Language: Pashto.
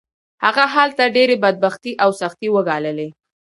هغه هلته ډېرې بدبختۍ او سختۍ وګاللې